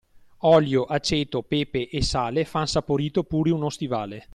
Olio, aceto, pepe e sale fan saporito pure uno stivale.